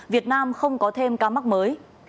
việt nam không có thêm ca mắc mới